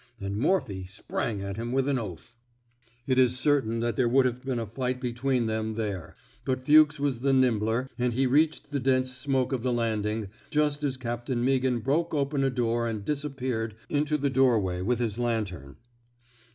And Morphy sprang at him with an oath.^ It is certain that there would have been a fight between them there, but Fuchs was the nimbler, and he reached the dense smoke of the landing just as Captain Meaghan broke open a door and disappeared into the doorway with his lantern.